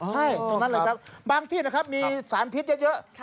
ใช่ตรงนั้นเลยครับบางที่นะครับมีสารพิษเยอะ